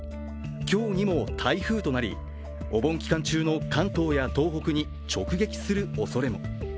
今日にも台風となり、お盆期間中の関東や東北に直撃するおそれも。